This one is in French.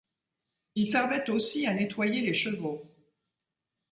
Il servait aussi à nettoyer les chevaux.